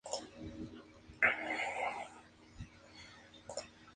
Todas ellas son, de alguna forma, celebración y actualización del Misterio Pascual.